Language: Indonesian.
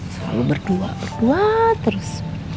selalu berdua berdua terus